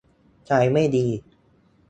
ใจไม่ดี